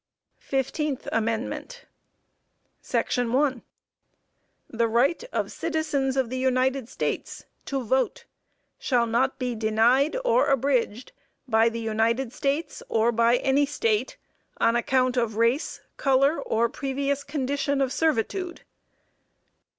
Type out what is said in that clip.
FIFTEENTH AMENDMENT. Section 1. "The right of citizens of the United States to vote shall not be denied or abridged by the United States, or by any State, on account of race, color or previous condition of servitude."